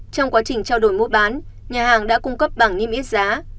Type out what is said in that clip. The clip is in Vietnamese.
trong quá trình trao đổi mua bán nhà hàng đã cung cấp bằng nhiêm yết giá